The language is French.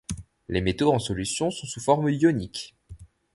Les métaux en solution sont sous forme ionique.